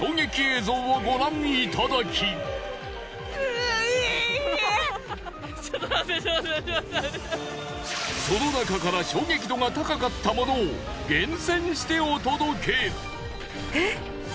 全国の方々にその中から衝撃度が高かったものを厳選してお届け！